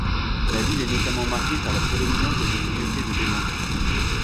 La ville est notamment marquée par la prédominance de sa communauté de Bédouins.